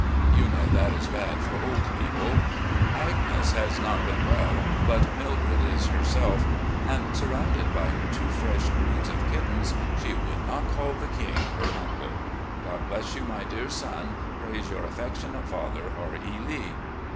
You know that is bad for old people. Agnes has not been well, but Mildred is herself, and surrotmded by her two fresh broods of kittens she would not call the king her tmcle ... God bless you, my dear son, prays " Your affectionate father, R. E. Lee.